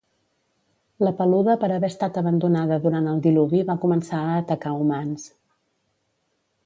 La Peluda per haver estat abandonada durant el Diluvi va començar a atacar humans